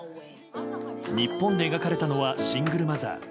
日本で描かれたのはシングルマザー。